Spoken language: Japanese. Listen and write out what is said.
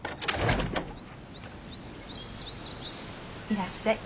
いらっしゃい。